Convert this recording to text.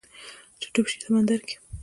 چې ډوب شوی سمندر کې